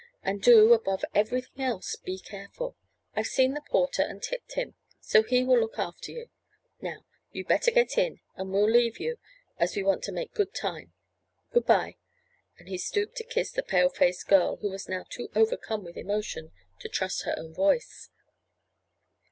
"And do, above everything else, be careful. I've seen the porter, and tipped him so he will look after you. Now, you'd better get in and we'll leave you, as we want to make good time. Good bye," and he stooped to kiss the pale faced girl who was now too overcome with emotion to trust her own voice.